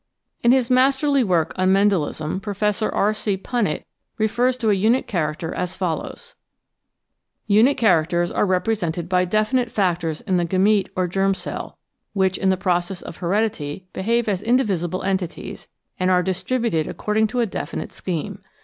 In his masterly book on Mendelism Professor R. C. Punnett refers to a unit character as follows: "Unit characters are rep resented by definite factors in the gamete [or germ cell], which, in the process of heredity, behave as indivisible entities, and are distributed according to a definite scheme.